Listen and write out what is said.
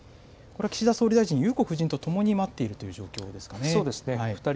これは岸田総理大臣、裕子夫人と共に待っているという状況ですかそうですね。